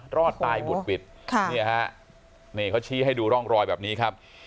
รอดตายบุดหวิดค่ะนี่ฮะนี่เขาชี้ให้ดูร่องรอยแบบนี้ครับ